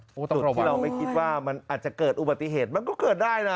ตำรวจที่เราไม่คิดว่ามันอาจจะเกิดอุบัติเหตุมันก็เกิดได้นะ